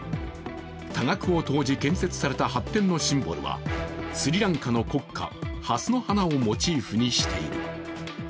多額を投じ、建設された発展のシンボルはスリランカの国花、蓮の花をモチーフにしている。